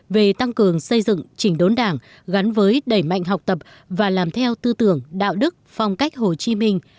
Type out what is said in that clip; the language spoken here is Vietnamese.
về tăng cường xây dựng chỉnh đốn đảng gắn với đẩy mạnh học tập và làm theo tư tưởng đạo đức phong cách hồ chí minh